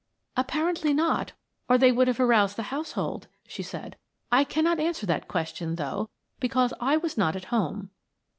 "Apparently not, or they would have aroused the household," she said. "I cannot answer that question, though, because I was not at home."